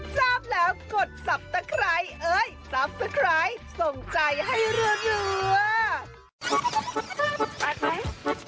ทราบแล้วกดสับตะไคร้เอ้ยสับตะไคร้ส่งใจให้เรือ